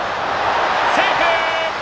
セーフ！